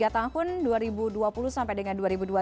tiga tahun dua ribu dua puluh sampai dengan